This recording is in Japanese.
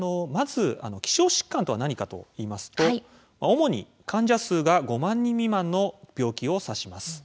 希少疾患は何かといいますと主に患者数が５万人未満の病気を指します。